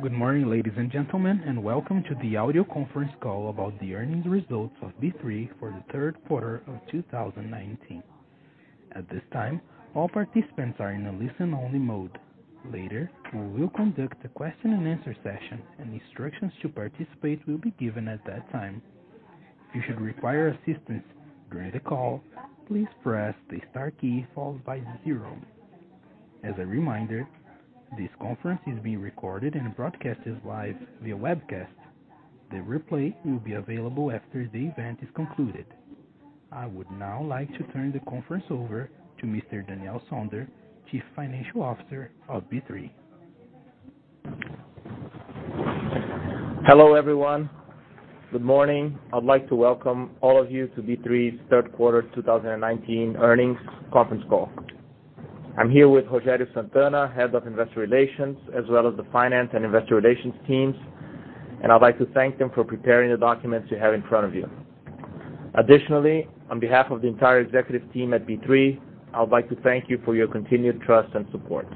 Good morning, ladies and gentlemen, and welcome to the audio conference call about the earnings results of B3 for the third quarter of 2019. At this time, all participants are in a listen-only mode. Later, we will conduct a question and answer session, and instructions to participate will be given at that time. If you should require assistance during the call, please press the star key followed by zero. As a reminder, this conference is being recorded and broadcasted live via webcast. The replay will be available after the event is concluded. I would now like to turn the conference over to Mr. Daniel Sonder, Chief Financial Officer of B3. Hello, everyone. Good morning. I'd like to welcome all of you to B3's third quarter 2019 earnings conference call. I'm here with Rogério Sant'Anna, Head of Investor Relations, as well as the finance and investor relations teams, and I'd like to thank them for preparing the documents you have in front of you. Additionally, on behalf of the entire executive team at B3, I would like to thank you for your continued trust and support.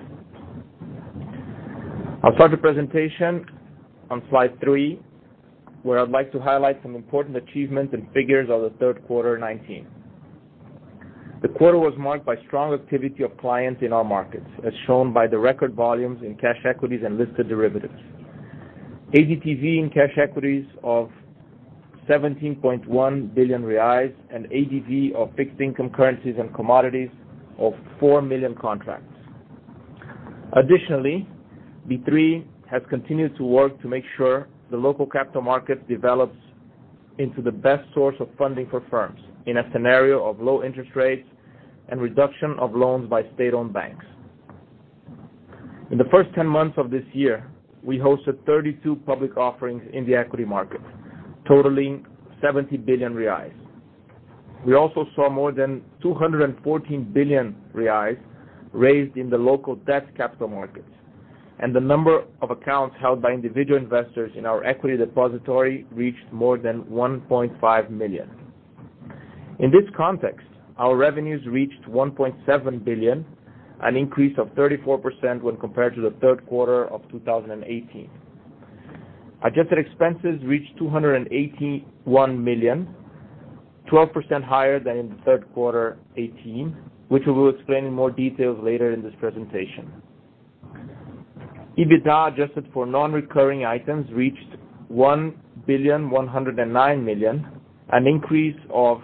I'll start the presentation on slide three, where I'd like to highlight some important achievements and figures of the third quarter 2019. The quarter was marked by strong activity of clients in our markets, as shown by the record volumes in cash equities and listed derivatives. ADTV in cash equities of 17.1 billion reais and ADTV of fixed-income currencies and commodities of four million contracts. Additionally, B3 has continued to work to make sure the local capital market develops into the best source of funding for firms in a scenario of low interest rates and reduction of loans by state-owned banks. In the first 10 months of this year, we hosted 32 public offerings in the equity markets, totaling 70 billion reais. We also saw more than 214 billion reais raised in the local debt capital markets, and the number of accounts held by individual investors in our equity depository reached more than 1.5 million. In this context, our revenues reached 1.7 billion, an increase of 34% when compared to the third quarter of 2018. Adjusted expenses reached 281 million, 12% higher than in the third quarter 2018, which we will explain in more details later in this presentation. EBITDA adjusted for non-recurring items reached 1.109 billion, an increase of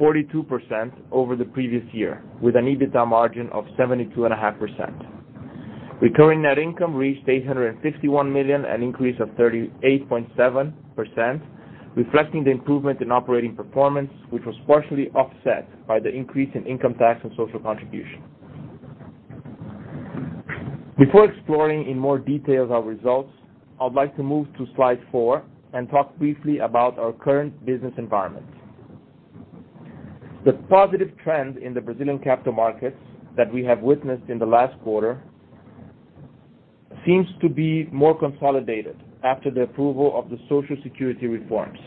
42% over the previous year, with an EBITDA margin of 72.5%. Recurring net income reached 351 million, an increase of 38.7%, reflecting the improvement in operating performance, which was partially offset by the increase in income tax and social contribution. Before exploring in more details our results, I would like to move to slide four and talk briefly about our current business environment. The positive trend in the Brazilian capital markets that we have witnessed in the last quarter seems to be more consolidated after the approval of the Social Security reforms.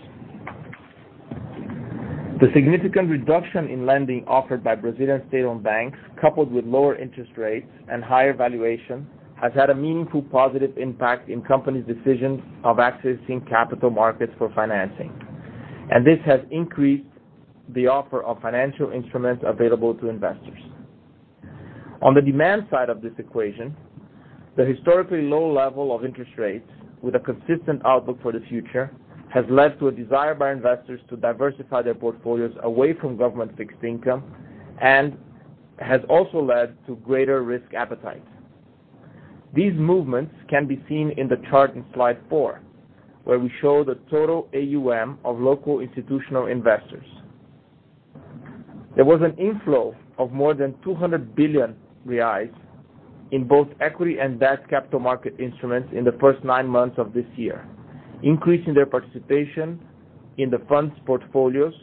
The significant reduction in lending offered by Brazilian state-owned banks, coupled with lower interest rates and higher valuation, has had a meaningful positive impact in companies' decisions of accessing capital markets for financing. This has increased the offer of financial instruments available to investors. On the demand side of this equation, the historically low level of interest rates with a consistent outlook for the future has led to a desire by investors to diversify their portfolios away from government fixed income and has also led to greater risk appetite. These movements can be seen in the chart in slide four, where we show the total AUM of local institutional investors. There was an inflow of more than 200 billion reais in both equity and debt capital market instruments in the first nine months of this year, increasing their participation in the fund's portfolios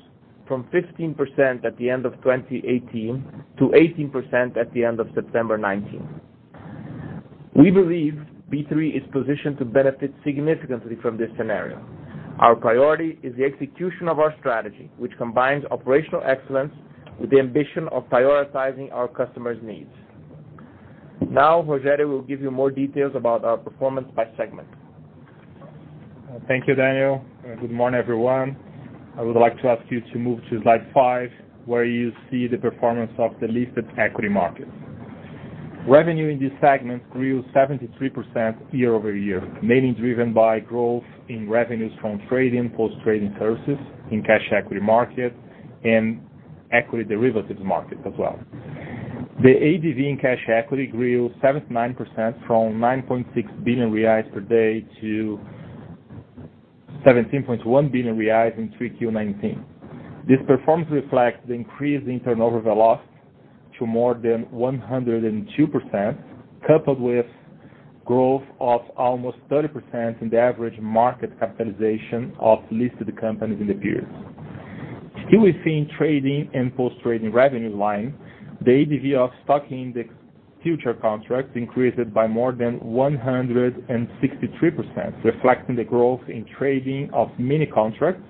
from 15% at the end of 2018 to 18% at the end of September 2019. We believe B3 is positioned to benefit significantly from this scenario. Our priority is the execution of our strategy, which combines operational excellence with the ambition of prioritizing our customers' needs. Rogério will give you more details about our performance by segment. Thank you, Daniel, and good morning, everyone. I would like to ask you to move to slide five, where you see the performance of the listed equity market. Revenue in this segment grew 73% year-over-year, mainly driven by growth in revenues from trading, post-trading services in cash equity market and equity derivatives market as well. The ADV in cash equity grew 79% from 9.6 billion reais per day to 17.1 billion reais in 3Q 2019. This performance reflects the increase in turnover velocity to more than 102%, coupled with growth of almost 30% in the average market capitalization of listed companies in the period. Here we see in trading and post-trading revenue line the ADV of stock index future contracts increased by more than 163%, reflecting the growth in trading of many contracts,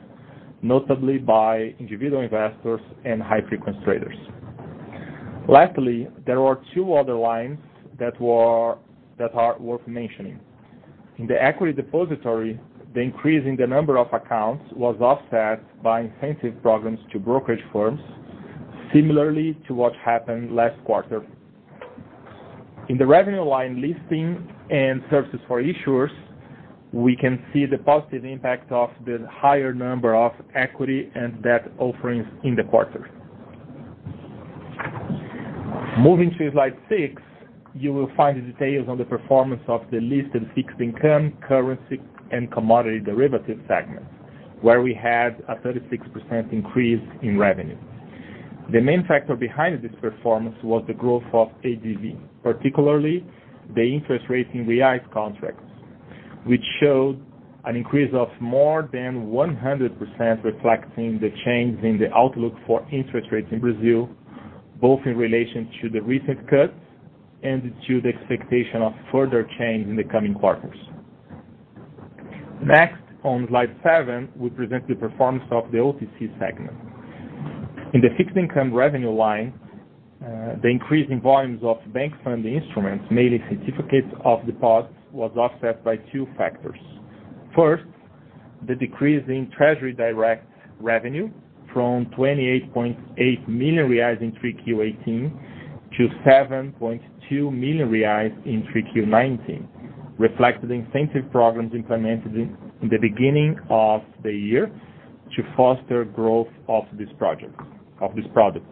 notably by individual investors and high-frequency traders. Lastly, there are two other lines that are worth mentioning. In the equity depository, the increase in the number of accounts was offset by incentive programs to brokerage firms, similarly to what happened last quarter. In the revenue line listing and services for issuers, we can see the positive impact of the higher number of equity and debt offerings in the quarter. Moving to slide six, you will find the details on the performance of the listed fixed income, currency, and commodity derivative segments, where we had a 36% increase in revenue. The main factor behind this performance was the growth of ADV, particularly the interest rates in DI contracts, which showed an increase of more than 100%, reflecting the change in the outlook for interest rates in Brazil, both in relation to the recent cuts and to the expectation of further change in the coming quarters. Next, on slide seven, we present the performance of the OTC segment. In the fixed income revenue line, the increase in volumes of bank funding instruments, mainly certificates of deposit, was offset by two factors. First, the decrease in Tesouro Direto revenue from 28.8 million reais in 3Q18 to 7.2 million reais in 3Q19, reflecting incentive programs implemented in the beginning of the year to foster growth of this product.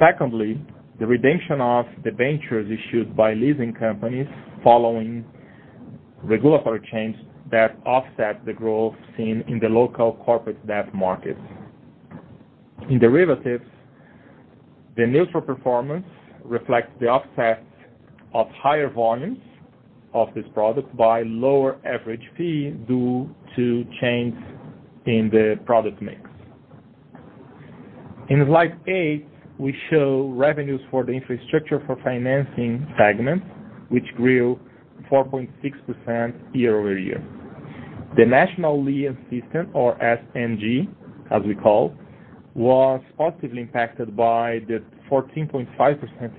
Secondly, the redemption of the debentures issued by leasing companies following regulatory change that offset the growth seen in the local corporate debt market. In derivatives, the neutral performance reflects the offset of higher volumes of this product by lower average fee due to change in the product mix. In slide eight, we show revenues for the infrastructure for financing segment, which grew 4.6% year-over-year. The national lien system, or SNG, as we call, was positively impacted by the 14.5%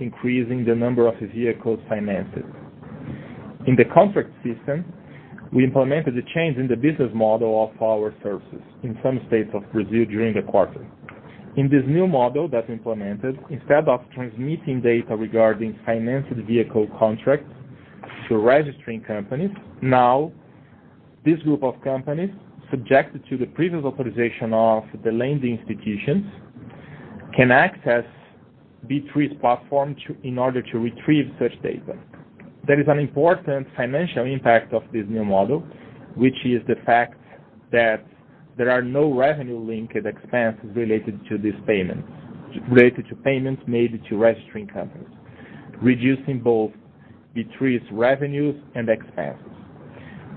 increase in the number of vehicles financed. In the contract system, we implemented a change in the business model of our services in some states of Brazil during the quarter. In this new model that's implemented, instead of transmitting data regarding financed vehicle contracts to registering companies, now this group of companies, subjected to the previous authorization of the lending institutions, can access B3's platform in order to retrieve such data. There is an important financial impact of this new model, which is the fact that there are no revenue-linked expenses related to payments made to registering companies, reducing both B3's revenues and expenses.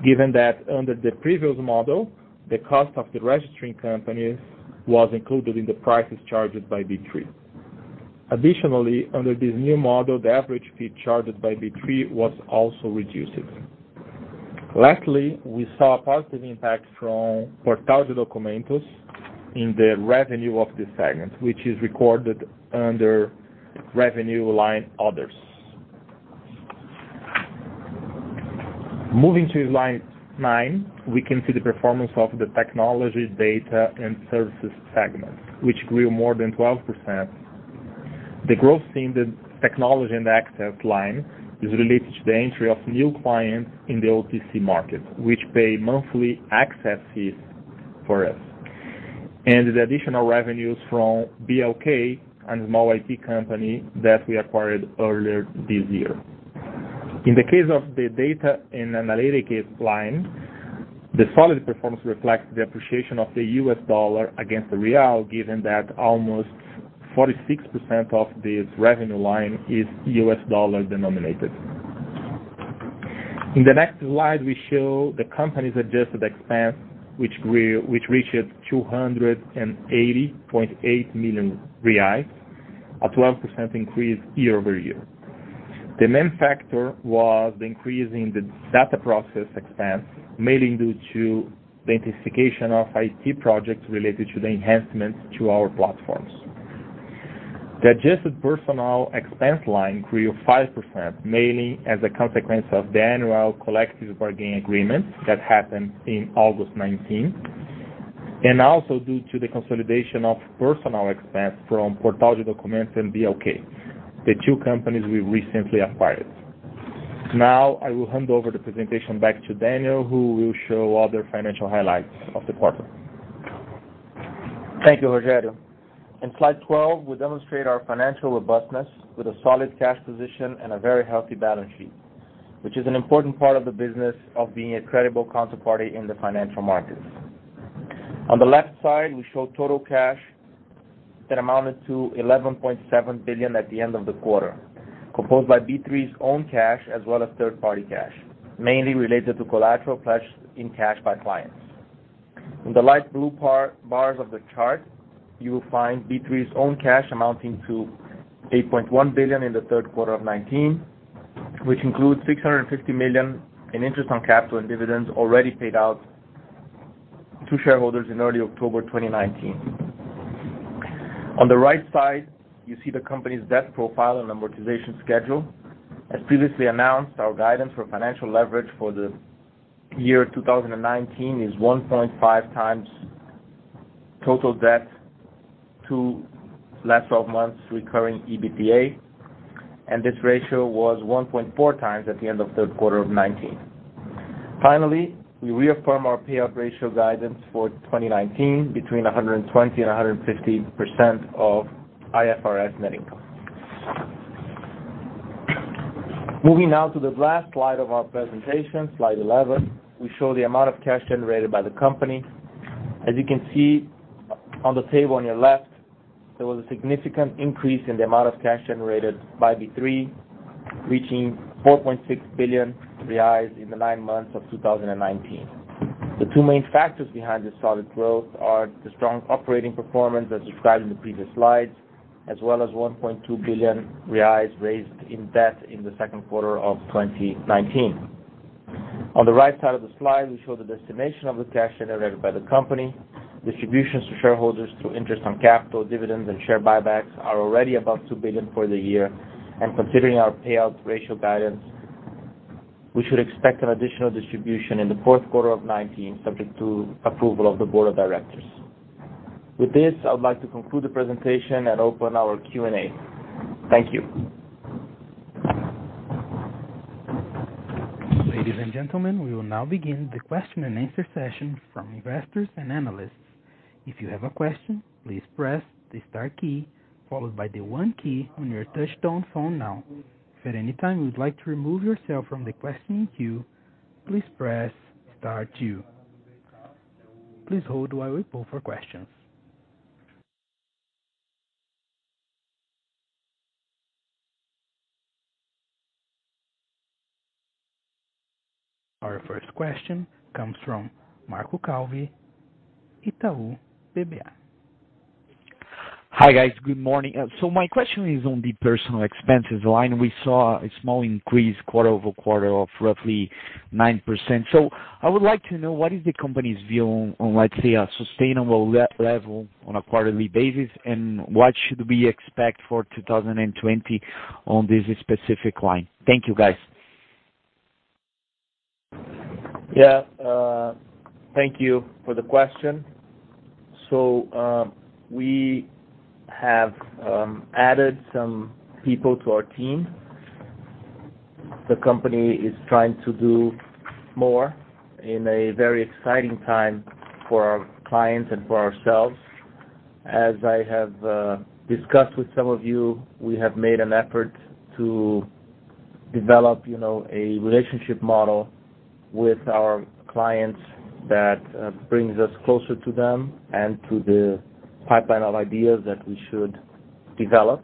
Given that under the previous model, the cost of the registering companies was included in the prices charged by B3. Under this new model, the average fee charged by B3 was also reduced. Lastly, we saw a positive impact from Portal de Documentos in the revenue of this segment, which is recorded under revenue line others. Moving to slide nine, we can see the performance of the Technology Data and Services segment, which grew more than 12%. The growth in the Technology and Access line is related to the entry of new clients in the OTC market, which pay monthly access fees for us. The additional revenues from BLK and [small IP company] that we acquired earlier this year. In the case of the Data and Analytics line, the solid performance reflects the appreciation of the US dollar against the BRL, given that almost 46% of this revenue line is US dollar denominated. In the next slide, we show the company's adjusted expense, which reached 280.8 million reais, a 12% increase year-over-year. The main factor was the increase in the Data Process expense, mainly due to the intensification of IT projects related to the enhancements to our platforms. The adjusted personnel expense line grew 5%, mainly as a consequence of the annual collective bargaining agreement that happened in August 2019, and also due to the consolidation of personal expense from Portal de Documentos and BLK, the two companies we recently acquired. Now, I will hand over the presentation back to Daniel, who will show other financial highlights of the quarter. Thank you, Rogério. In slide 12, we demonstrate our financial robustness with a solid cash position and a very healthy balance sheet, which is an important part of the business of being a credible counterparty in the financial markets. On the left side, we show total cash that amounted to 11.7 billion at the end of the quarter, composed by B3's own cash as well as third-party cash, mainly related to collateral pledged in cash by clients. In the light blue bars of the chart, you will find B3's own cash amounting to 8.1 billion in the third quarter of 2019, which includes 650 million in interest on capital and dividends already paid out to shareholders in early October 2019. On the right side, you see the company's debt profile and amortization schedule. As previously announced, our guidance for financial leverage for the year 2019 is 1.5 times total debt to last 12 months recurring EBITDA. This ratio was 1.4 times at the end of third quarter of 2019. We reaffirm our payout ratio guidance for 2019 between 120% and 150% of IFRS net income. Moving now to the last slide of our presentation, slide 11, we show the amount of cash generated by the company. As you can see on the table on your left, there was a significant increase in the amount of cash generated by B3, reaching 4.6 billion reais in the nine months of 2019. The two main factors behind this solid growth are the strong operating performance as described in the previous slides, as well as 1.2 billion reais raised in debt in the second quarter of 2019. On the right side of the slide, we show the destination of the cash generated by the company. Distributions to shareholders through interest on capital, dividends, and share buybacks are already above 2 billion for the year. Considering our payout ratio guidance, we should expect an additional distribution in the fourth quarter of 2019, subject to approval of the board of directors. With this, I would like to conclude the presentation and open our Q&A. Thank you. Ladies and gentlemen, we will now begin the question and answer session from investors and analysts. If you have a question, please press the star key followed by the one key on your touchtone phone now. If at any time you would like to remove yourself from the questioning queue, please press star two. Please hold while we pull for questions. Our first question comes from Marco Calvi, Itaú BBA. Hi, guys. Good morning. My question is on the personal expenses line. We saw a small increase quarter-over-quarter of roughly 9%. I would like to know, what is the company's view on, let's say, a sustainable level on a quarterly basis, and what should we expect for 2020 on this specific line? Thank you, guys. Yeah. Thank you for the question. We have added some people to our team. The company is trying to do more in a very exciting time for our clients and for ourselves. As I have discussed with some of you, we have made an effort to develop a relationship model with our clients that brings us closer to them and to the pipeline of ideas that we should develop.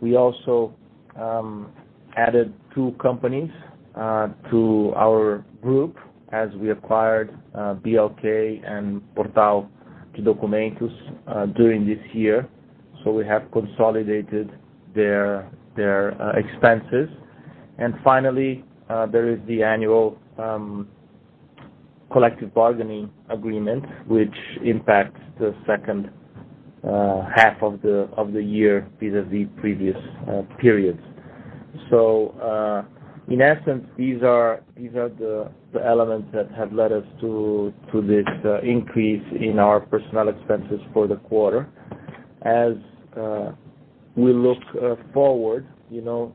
We also added two companies to our group as we acquired BLK and Portal de Documentos during this year. We have consolidated their expenses. Finally, there is the annual collective bargaining agreement, which impacts the second half of the year vis-a-vis previous periods. In essence, these are the elements that have led us to this increase in our personnel expenses for the quarter. As we look forward,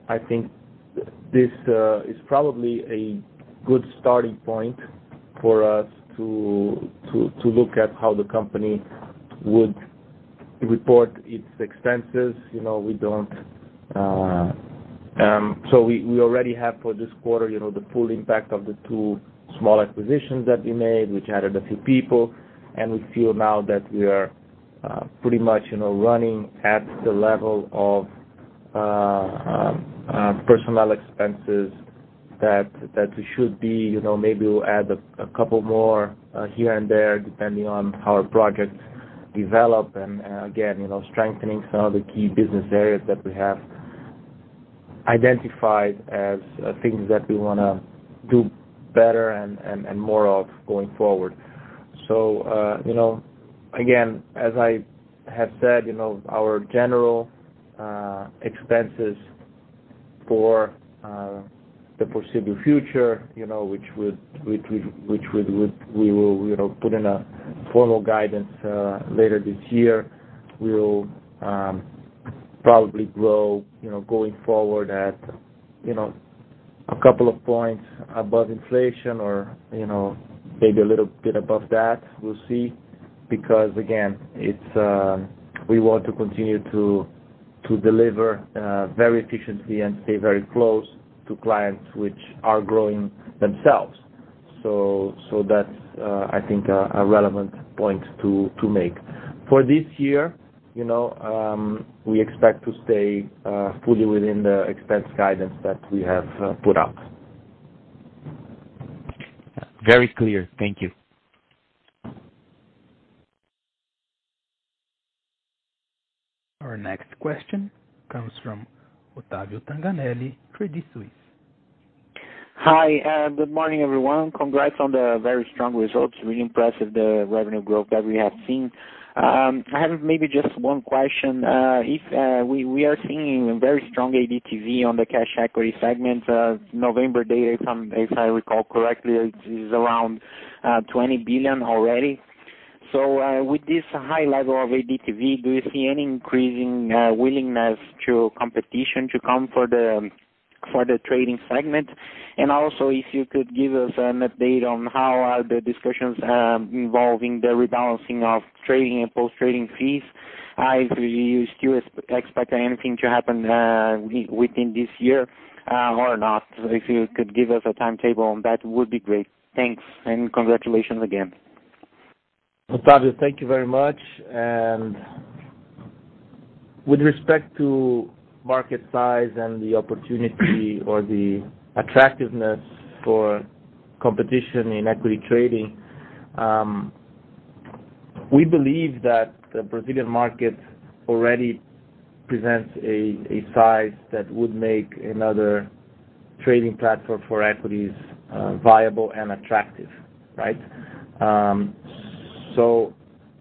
I think this is probably a good starting point for us to look at how the company would report its expenses. We already have, for this quarter, the full impact of the two small acquisitions that we made, which added a few people, and we feel now that we are pretty much running at the level of personnel expenses that we should be. Maybe we'll add a couple more here and there, depending on how our projects develop. Again, strengthening some of the key business areas that we have identified as things that we want to do better and more of going forward. Again, as I have said, our general expenses for the foreseeable future, which we will put in a formal guidance later this year, will probably grow going forward at a couple of points above inflation or maybe a little bit above that. We'll see. Again, we want to continue to deliver very efficiently and stay very close to clients which are growing themselves. That's, I think, a relevant point to make. For this year, we expect to stay fully within the expense guidance that we have put out. Very clear. Thank you. Our next question comes from Otavio Tanganelli, Credit Suisse. Hi, good morning, everyone. Congrats on the very strong results. Really impressive, the revenue growth that we have seen. I have maybe just one question. We are seeing very strong ADTV on the cash equity segment. November data, if I recall correctly, is around 20 billion already. With this high level of ADTV, do you see any increasing willingness to competition to come for the trading segment? Also, if you could give us an update on how are the discussions involving the rebalancing of trading and post-trading fees, do you still expect anything to happen within this year or not? If you could give us a timetable on that would be great. Thanks, and congratulations again. Otavio, thank you very much. With respect to market size and the opportunity or the attractiveness for competition in equity trading, we believe that the Brazilian market already presents a size that would make another trading platform for equities viable and attractive. Right?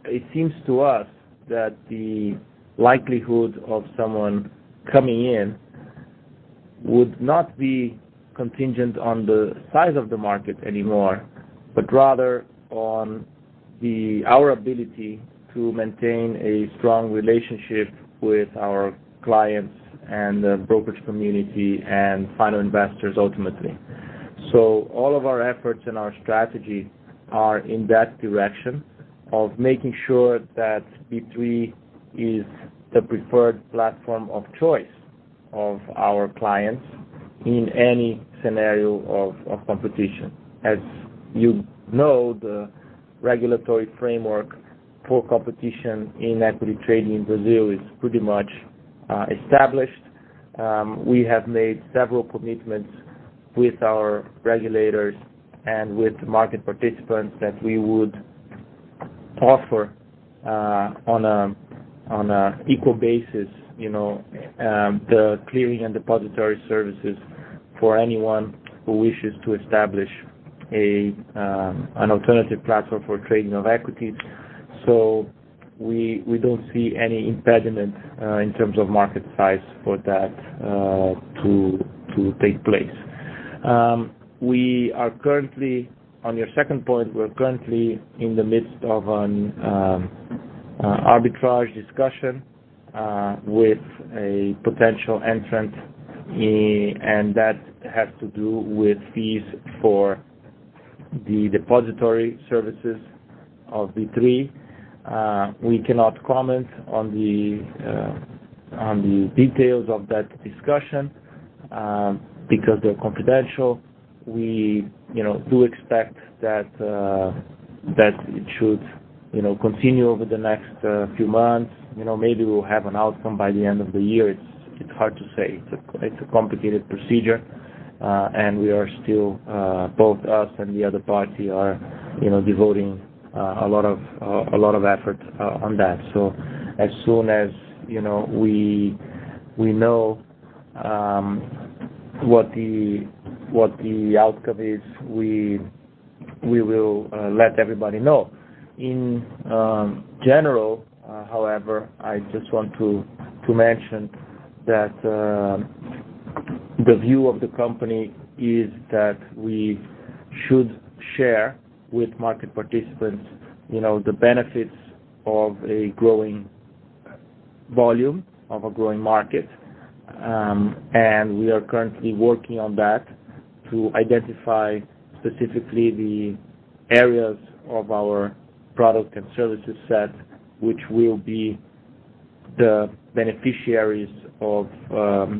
It seems to us that the likelihood of someone coming in would not be contingent on the size of the market anymore, but rather on our ability to maintain a strong relationship with our clients and the brokerage community and final investors, ultimately. All of our efforts and our strategy are in that direction of making sure that B3 is the preferred platform of choice of our clients in any scenario of competition. As you know, the regulatory framework for competition in equity trading in Brazil is pretty much established. We have made several commitments with our regulators and with market participants that we would offer on an equal basis, the clearing and depository services for anyone who wishes to establish an alternative platform for trading of equities. We don't see any impediment in terms of market size for that to take place. On your second point, we're currently in the midst of an arbitrage discussion with a potential entrant and that has to do with fees for the depository services of B3. We cannot comment on the details of that discussion because they're confidential. We do expect that it should continue over the next few months. Maybe we'll have an outcome by the end of the year. It's hard to say. It's a complicated procedure, and both us and the other party are devoting a lot of effort on that. As soon as we know what the outcome is, we will let everybody know. In general, however, I just want to mention that the view of the company is that we should share with market participants the benefits of a growing volume of a growing market. We are currently working on that to identify specifically the areas of our product and services set, which will be the beneficiaries of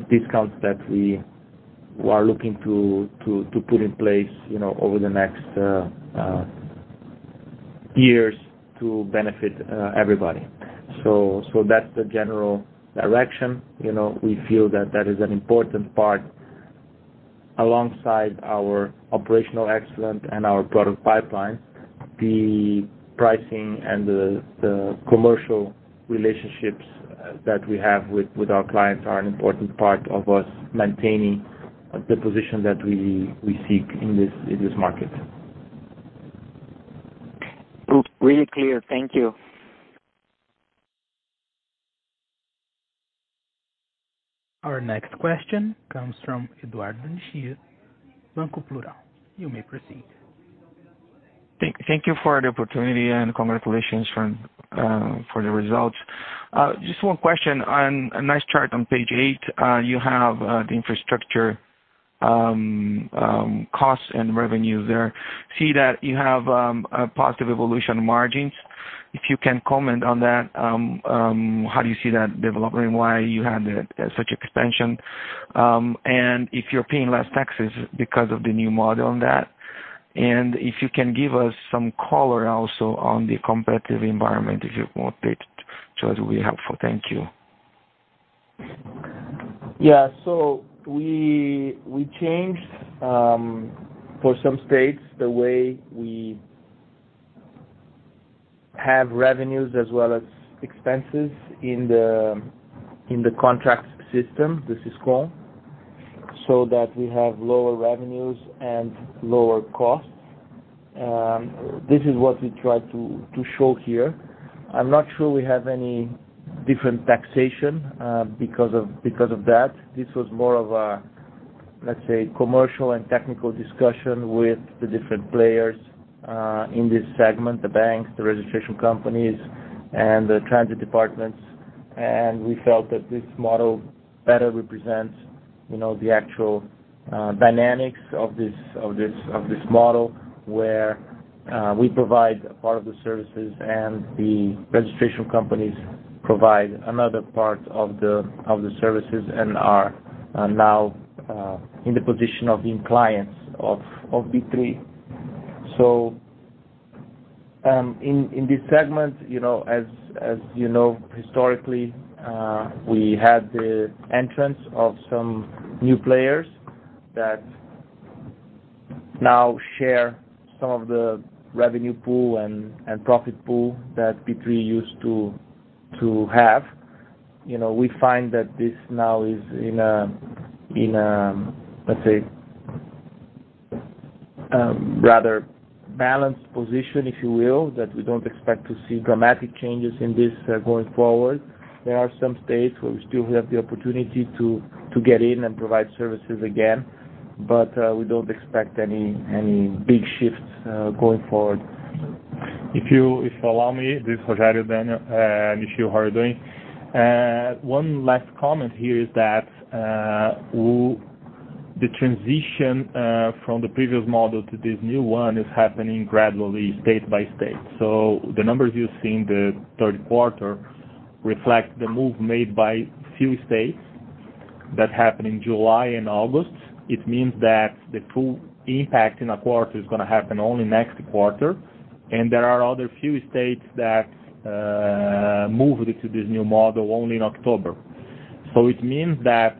discounts that we are looking to put in place over the next years to benefit everybody. That's the general direction. We feel that that is an important part alongside our operational excellence and our product pipeline. The pricing and the commercial relationships that we have with our clients are an important part of us maintaining the position that we seek in this market. Really clear. Thank you. Our next question comes from Eduardo Nishio, Banco Plural. You may proceed. Thank you for the opportunity and congratulations for the results. Just one question. On a nice chart on page eight, you have the infrastructure costs and revenues there. See that you have a positive evolution margins. If you can comment on that, how do you see that developing and why you had such expansion? If you're paying less taxes because of the new model on that. If you can give us some color also on the competitive environment, if you want it, that would be helpful. Thank you. Yeah. We changed for some states the way we have revenues as well as expenses in the contract system, the Siscom, so that we have lower revenues and lower costs. This is what we try to show here. I'm not sure we have any different taxation because of that. This was more of a, let's say, commercial and technical discussion with the different players in this segment, the banks, the registration companies, and the transit departments. We felt that this model better represents the actual dynamics of this model, where we provide a part of the services, and the registration companies provide another part of the services and are now in the position of being clients of B3. In this segment, as you know, historically, we had the entrance of some new players that now share some of the revenue pool and profit pool that B3 used to have. We find that this now is in a, let's say, rather balanced position, if you will, that we don't expect to see dramatic changes in this going forward. There are some states where we still have the opportunity to get in and provide services again, but we don't expect any big shifts going forward. If you allow me, this is Rogério, Daniel. Nishio, how are you doing? One last comment here is that the transition from the previous model to this new one is happening gradually state by state. The numbers you see in the third quarter reflect the move made by a few states that happened in July and August. It means that the full impact in a quarter is going to happen only next quarter, and there are other few states that moved to this new model only in October. It means that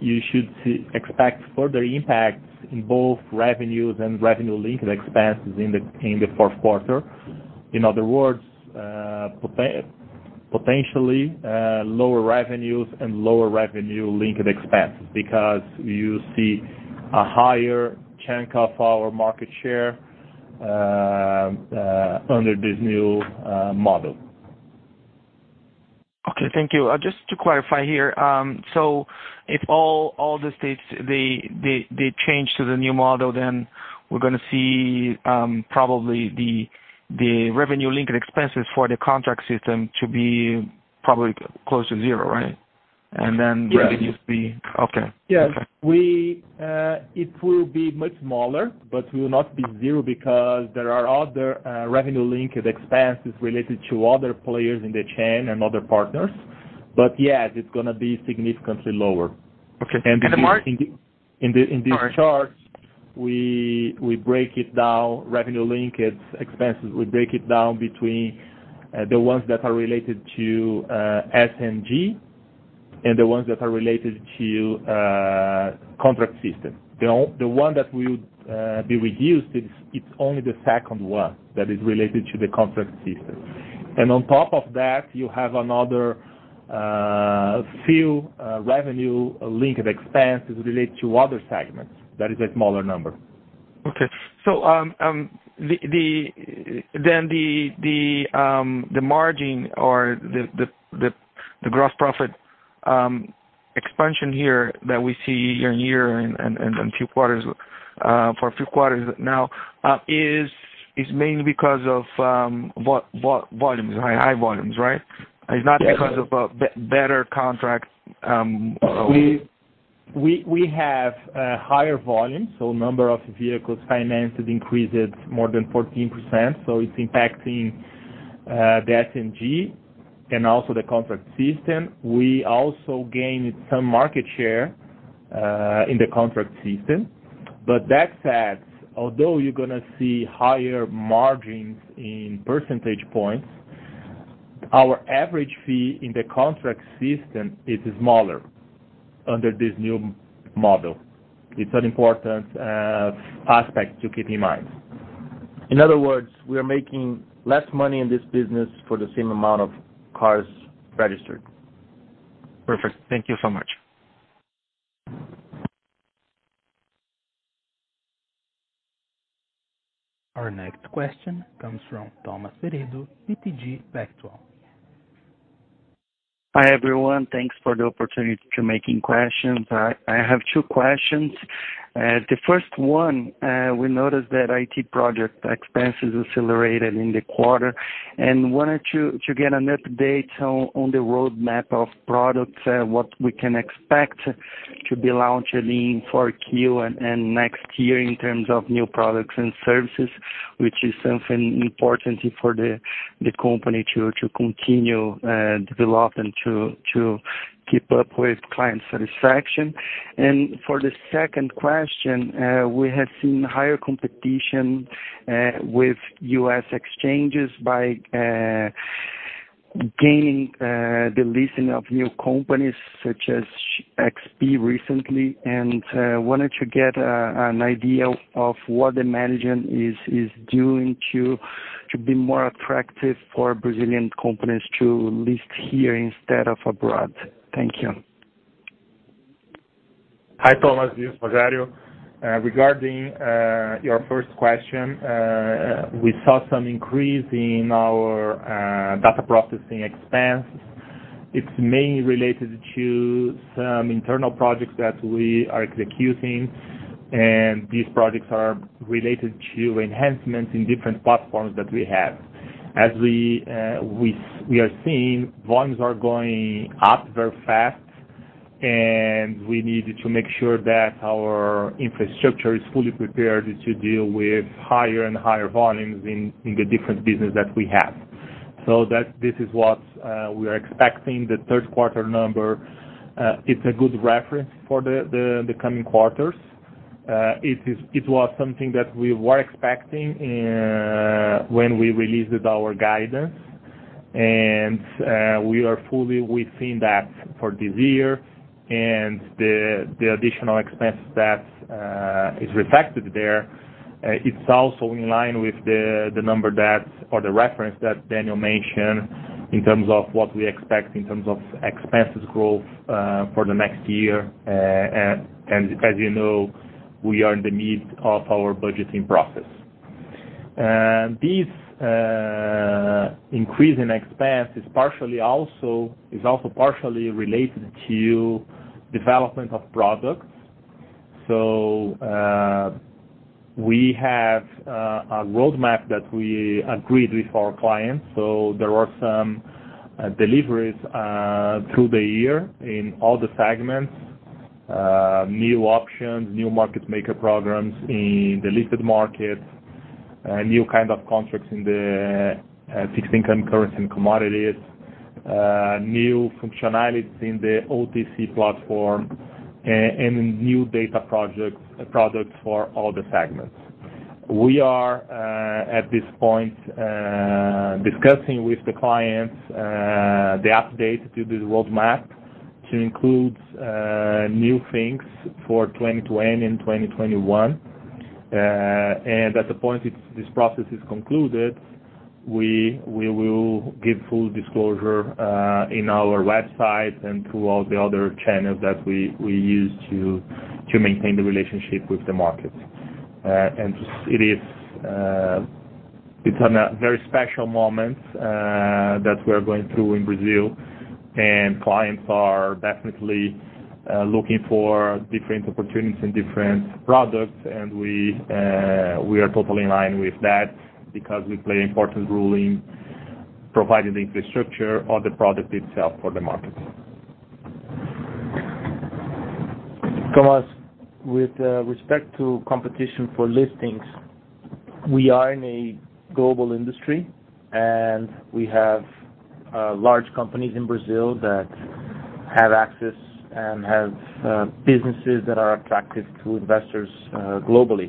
you should expect further impacts in both revenues and revenue-linked expenses in the fourth quarter. In other words, potentially lower revenues and lower revenue-linked expenses, because you see a higher chunk of our market share under this new model. Okay, thank you. Just to clarify here, if all the states, they change to the new model, we're going to see probably the revenue-linked expenses for the Siscom to be probably close to zero, right? Yes. Okay. Yes. It will be much smaller, but will not be zero because there are other revenue-linked expenses related to other players in the chain and other partners. Yes, it's going to be significantly lower. Okay. And the mar- In this chart- Sorry we break it down, revenue-linked expenses, we break it down between the ones that are related to SNG and the ones that are related to contract system. The one that will be reduced, it's only the second one that is related to the contract system. On top of that, you have another few revenue-linked expenses related to other segments that is a smaller number. Okay. The margin or the gross profit expansion here that we see year-on-year and for a few quarters now is mainly because of high volumes, right? Yes. It's not because of better contract. We have higher volumes. Number of vehicles financed increased more than 14%. It's impacting the SNG and also the contract system. We also gained some market share in the contract system. That said, although you're going to see higher margins in percentage points, our average fee in the contract system is smaller under this new model. It's an important aspect to keep in mind. In other words, we are making less money in this business for the same amount of cars registered. Perfect. Thank you so much. Our next question comes from Thomas Ferido, BTG Pactual. Hi, everyone. Thanks for the opportunity to making questions. I have two questions. The first one, we noticed that IT project expenses accelerated in the quarter. Wanted to get an update on the roadmap of products, what we can expect to be launching in 4Q and next year in terms of new products and services, which is something important for the company to continue developing to keep up with client satisfaction. For the second question, we have seen higher competition with U.S. exchanges by gaining the listing of new companies such as XP recently, and wanted to get an idea of what the management is doing to be more attractive for Brazilian companies to list here instead of abroad. Thank you. Hi, Thomas. This is Rogério. Regarding your first question, we saw some increase in our data processing expense. It's mainly related to some internal projects that we are executing, and these projects are related to enhancements in different platforms that we have. As we are seeing, volumes are going up very fast, and we needed to make sure that our infrastructure is fully prepared to deal with higher and higher volumes in the different business that we have. This is what we are expecting. The third quarter number, it's a good reference for the coming quarters. It was something that we were expecting when we released our guidance and we are fully within that for this year. The additional expense that is reflected there, it's also in line with the number that or the reference that Daniel mentioned in terms of what we expect in terms of expenses growth for the next year. As you know, we are in the midst of our budgeting process. This increase in expense is also partially related to development of products. We have a roadmap that we agreed with our clients. There were some deliveries through the year in all the segments. New options, new market maker programs in the listed market, new kind of contracts in the fixed income currency and commodities, new functionalities in the OTC platform, and new data products for all the segments. We are, at this point, discussing with the clients the update to this roadmap to include new things for 2020 and 2021. At the point this process is concluded, we will give full disclosure in our website and through all the other channels that we use to maintain the relationship with the market. It is a very special moment that we are going through in Brazil and clients are definitely looking for different opportunities and different products and we are totally in line with that because we play an important role in providing the infrastructure or the product itself for the market. Thomas, with respect to competition for listings, we are in a global industry and we have large companies in Brazil that have access and have businesses that are attractive to investors globally.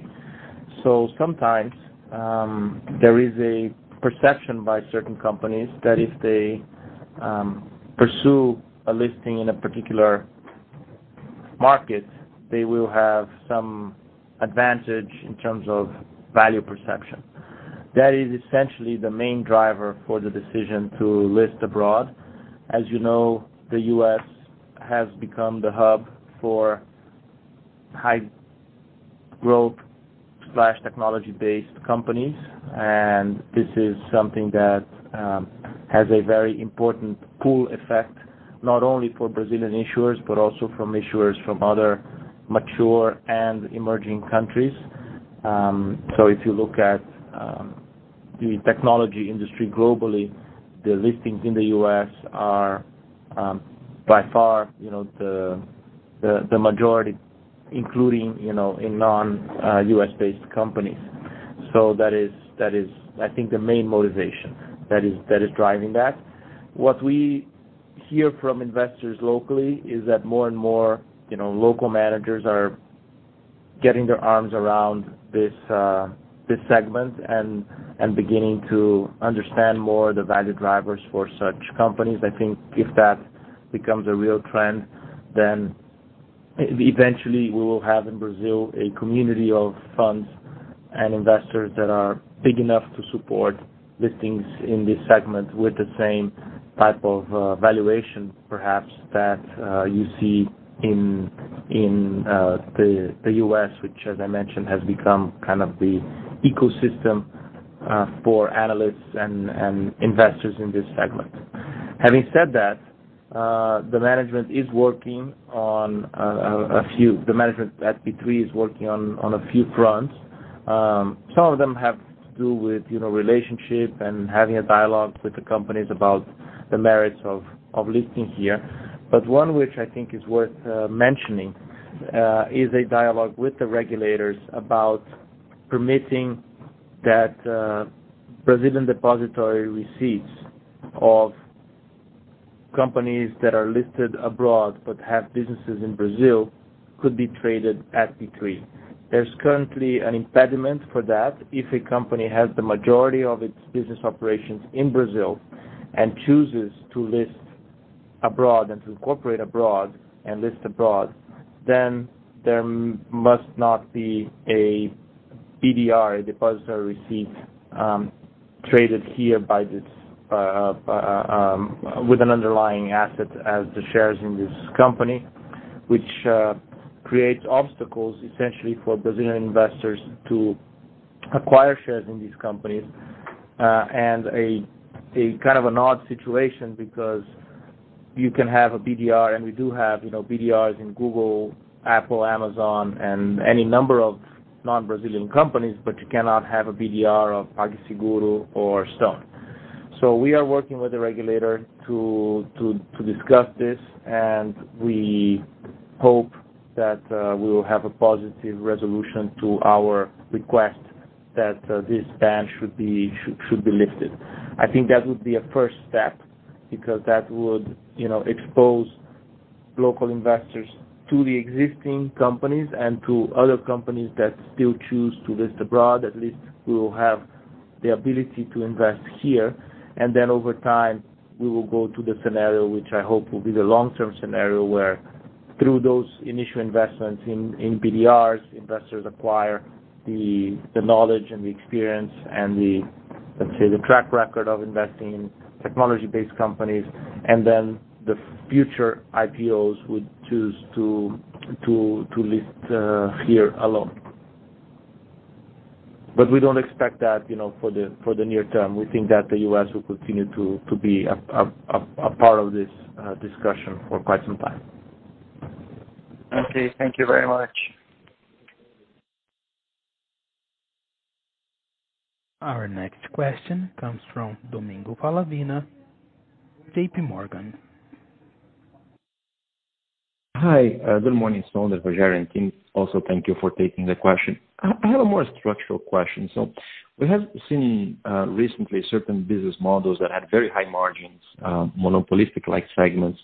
Sometimes, there is a perception by certain companies that if they pursue a listing in a particular market, they will have some advantage in terms of value perception. That is essentially the main driver for the decision to list abroad. As you know, the U.S. has become the hub for high growth/technology-based companies, and this is something that has a very important pull effect, not only for Brazilian issuers, but also from issuers from other mature and emerging countries. If you look at the technology industry globally, the listings in the U.S. are by far the majority, including in non-U.S.-based companies. That is, I think, the main motivation that is driving that. What we hear from investors locally is that more and more local managers are getting their arms around this segment and beginning to understand more the value drivers for such companies. I think if that becomes a real trend, then eventually we will have in Brazil a community of funds and investors that are big enough to support listings in this segment with the same type of valuation perhaps that you see in the U.S., which as I mentioned, has become kind of the ecosystem for analysts and investors in this segment. Having said that, the management at B3 is working on a few fronts. Some of them have to do with relationship and having a dialogue with the companies about the merits of listing here. One which I think is worth mentioning is a dialogue with the regulators about permitting that Brazilian Depository Receipts of Companies that are listed abroad but have businesses in Brazil could be traded at B3. There's currently an impediment for that. If a company has the majority of its business operations in Brazil and chooses to list abroad and to incorporate abroad and list abroad, then there must not be a BDR, a depositary receipt, traded here with an underlying asset as the shares in this company, which creates obstacles, essentially, for Brazilian investors to acquire shares in these companies. A kind of an odd situation because you can have a BDR, and we do have BDRs in Google, Apple, Amazon, and any number of non-Brazilian companies, but you cannot have a BDR of PagSeguro or Sonder. We are working with the regulator to discuss this, and we hope that we will have a positive resolution to our request that this ban should be lifted. I think that would be a first step because that would expose local investors to the existing companies and to other companies that still choose to list abroad. At least we will have the ability to invest here. Over time, we will go to the scenario, which I hope will be the long-term scenario, where through those initial investments in BDRs, investors acquire the knowledge and the experience and the, let's say, the track record of investing in technology-based companies. The future IPOs would choose to list here alone. We don't expect that for the near term. We think that the U.S. will continue to be a part of this discussion for quite some time. Okay. Thank you very much. Our next question comes from Domingos Falavina, JP Morgan. Hi. Good morning, Sonder, Rogério, and team. Also, thank you for taking the question. We have seen recently certain business models that had very high margins, monopolistic-like segments,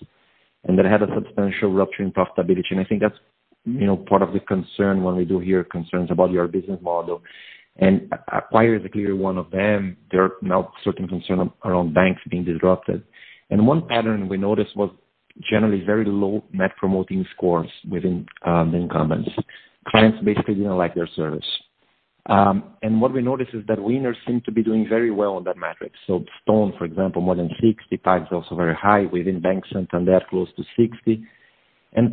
and that had a substantial rupture in profitability. Acquire is clearly one of them. There are now certain concerns around banks being disrupted. One pattern we noticed was generally very low net promoter scores within the incumbents. Clients basically didn't like their service. What we noticed is that winners seem to be doing very well on that metric. Sonder, for example, more than 60. Pag is also very high within Banco Central and they are close to 60.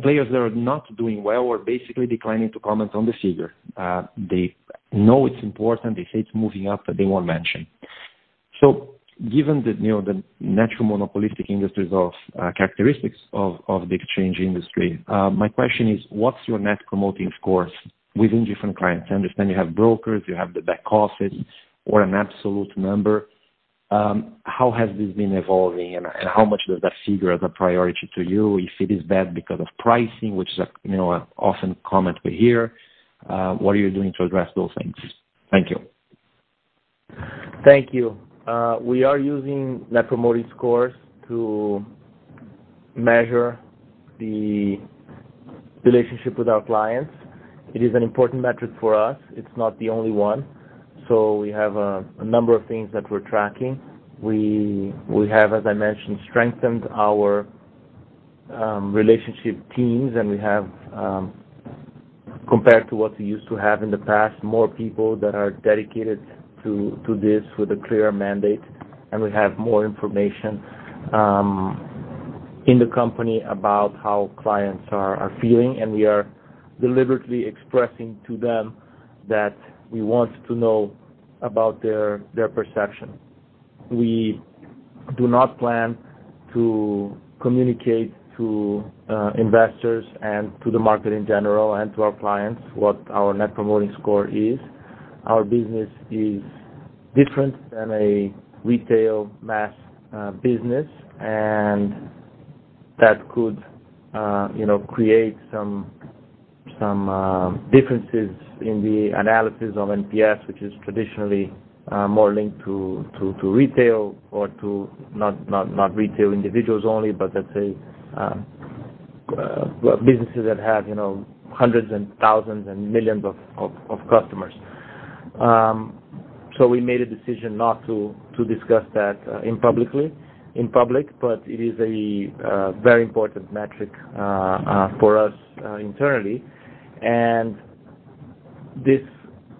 Players that are not doing well or basically declining to comment on the figure. They know it's important. They say it's moving up, but they won't mention. Given the natural monopolistic industries of characteristics of the exchange industry, my question is, what's your net promoter scores within different clients? I understand you have brokers, you have the back office or an absolute number. How has this been evolving and how much does that figure as a priority to you? If it is bad because of pricing, which is an often comment we hear, what are you doing to address those things? Thank you. Thank you. We are using net promoter scores to measure the relationship with our clients. It is an important metric for us. It's not the only one. We have a number of things that we're tracking. We have, as I mentioned, strengthened our relationship teams, and we have, compared to what we used to have in the past, more people that are dedicated to this with a clear mandate, and we have more information in the company about how clients are feeling, and we are deliberately expressing to them that we want to know about their perception. We do not plan to communicate to investors and to the market in general and to our clients what our net promoter score is. Our business is different than a retail mass business, and that could create some differences in the analysis of NPS, which is traditionally more linked to retail or to not retail individuals only, but let's say, businesses that have hundreds and thousands and millions of customers. We made a decision not to discuss that in public, but it is a very important metric for us internally. This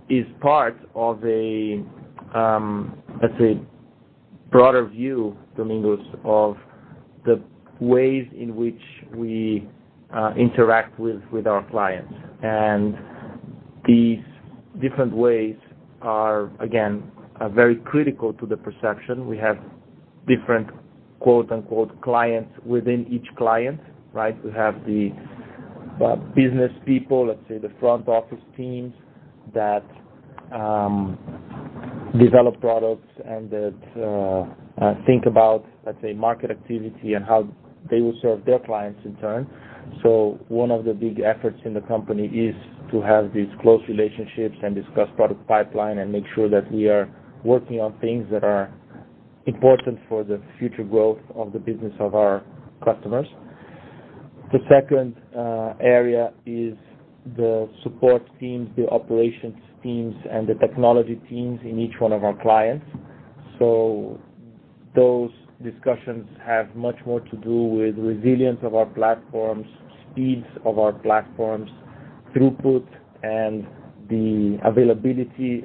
is part of a, let's say, broader view, Domingo, of the ways in which we interact with our clients. These different ways are, again, very critical to the perception. We have different "clients" within each client, right? We have the business people, let's say, the front office teams that develop products and that think about, let's say, market activity and how they will serve their clients in turn. One of the big efforts in the company is to have these close relationships and discuss product pipeline and make sure that we are working on things that are important for the future growth of the business of our customers. The second area is the support teams, the operations teams, and the technology teams in each one of our clients. Those discussions have much more to do with resilience of our platforms, speeds of our platforms, throughput, and the availability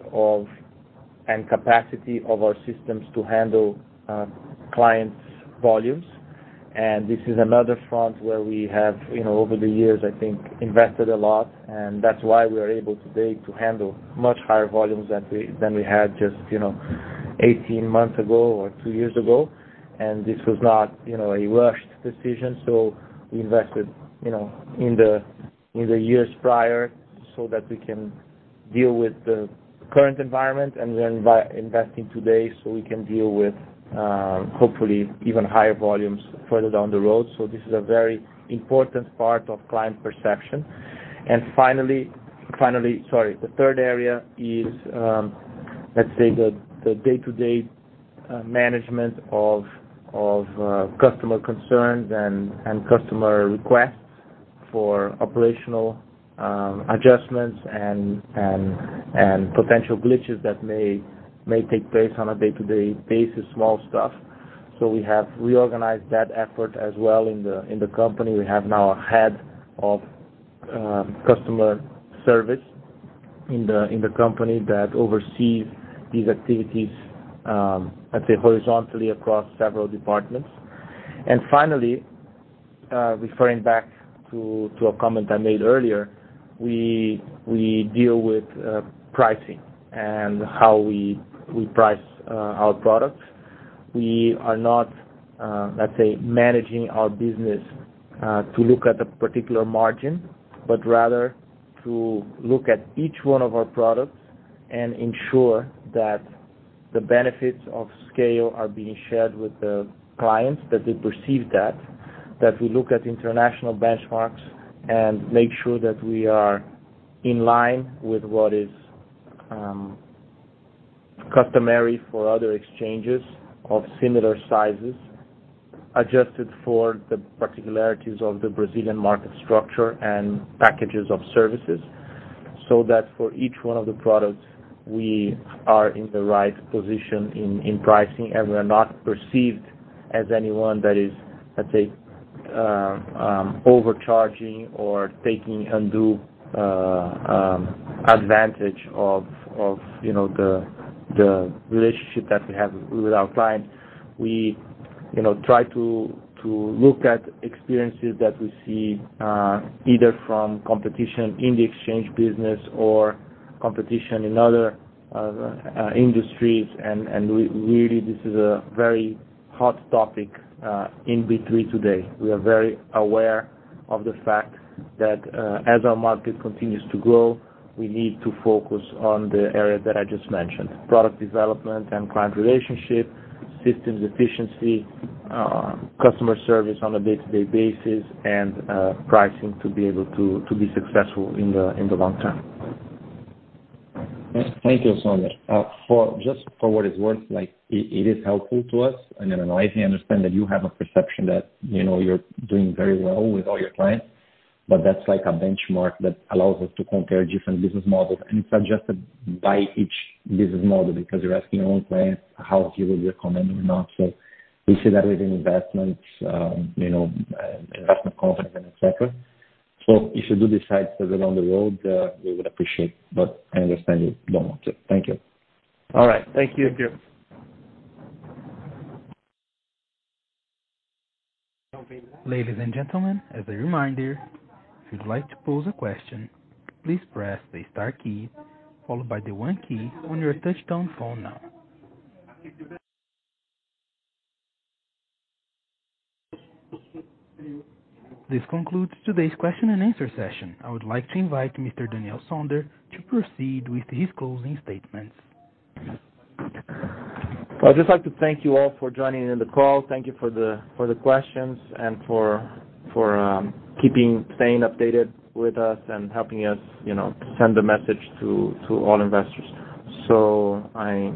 and capacity of our systems to handle clients' volumes. This is another front where we have, over the years, I think, invested a lot, and that's why we are able today to handle much higher volumes than we had just 18 months ago or 2 years ago. This was not a rushed decision. We invested in the years prior so that we can deal with the current environment, and we're investing today so we can deal with, hopefully, even higher volumes further down the road. This is a very important part of client perception. Finally, the third area is, let's say the day-to-day management of customer concerns and customer requests for operational adjustments and potential glitches that may take place on a day-to-day basis, small stuff. We have reorganized that effort as well in the company. We have now a head of customer service in the company that oversees these activities, let's say, horizontally across several departments. Finally, referring back to a comment I made earlier, we deal with pricing and how we price our products. We are not, let's say, managing our business to look at a particular margin, but rather to look at each one of our products and ensure that the benefits of scale are being shared with the clients, that they perceive that we look at international benchmarks and make sure that we are in line with what is customary for other exchanges of similar sizes, adjusted for the particularities of the Brazilian market structure and packages of services. That for each one of the products, we are in the right position in pricing, and we are not perceived as anyone that is, let's say, overcharging or taking undue advantage of the relationship that we have with our client. We try to look at experiences that we see, either from competition in the exchange business or competition in other industries. Really, this is a very hot topic in B3 today. We are very aware of the fact that as our market continues to grow, we need to focus on the areas that I just mentioned, product development and client relationship, systems efficiency, customer service on a day-to-day basis, and pricing to be able to be successful in the long term. Thank you, Sonder. Just for what it's worth, it is helpful to us. I understand that you have a perception that you're doing very well with all your clients, but that's like a benchmark that allows us to compare different business models. It's adjusted by each business model because you're asking your own clients how you would recommend or not. We see that with investments, investment confidence, and et cetera. If you do decide further down the road, we would appreciate, but I understand you don't want to. Thank you. All right. Thank you. Thank you. Ladies and gentlemen, as a reminder, if you'd like to pose a question, please press the star key followed by the one key on your touchtone phone now. This concludes today's question and answer session. I would like to invite Mr. Daniel Sonder to proceed with his closing statements. I'd just like to thank you all for joining in the call. Thank you for the questions and for staying updated with us and helping us send the message to all investors. I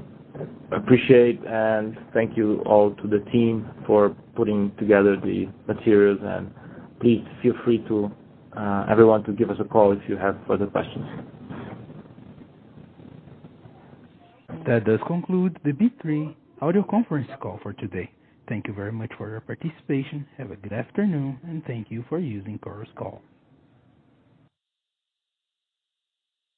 appreciate, and thank you all to the team for putting together the materials. Please feel free, everyone, to give us a call if you have further questions. That does conclude the B3 audio conference call for today. Thank you very much for your participation. Have a good afternoon, and thank you for using Chorus Call.